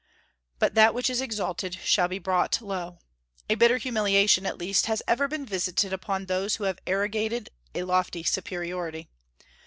But that which is exalted shall be brought low. A bitter humiliation, at least, has ever been visited upon those who have arrogated a lofty superiority.